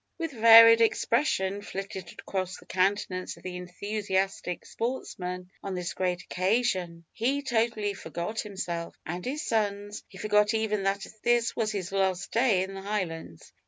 What varied expression flitted across the countenance of the enthusiastic sportsman on this great occasion! He totally forgot himself and his sons; he forgot even that this was his last day in the Highlands.